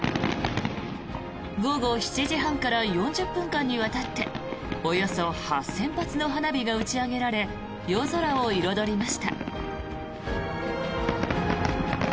午後７時半から４０分間にわたっておよそ８０００発の花火が打ち上げられ夜空を彩りました。